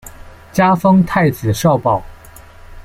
加封太子少保。